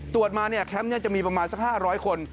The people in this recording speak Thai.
ตรวจมาเนี่ยแคมป์เนี่ยจะมีประมาณสัก๕๐๐คน